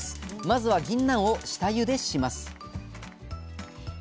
まずはぎんなんを下ゆでします